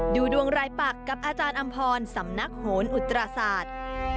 ดูดวงรายปักกับอาจารย์อำพรสำนักโหนอุตราศาสตร์